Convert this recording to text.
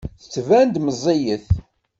Tettban-d meẓẓiyet.